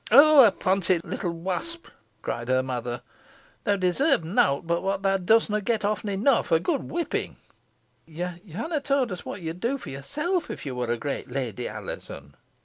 "Awt o'pontee, little wasp," cried her mother; "theaw desarves nowt boh whot theaw dustna get often enough a good whipping." "Yo hanna towd us whot yo'd do fo yurself if yo war a great lady, Alizon?"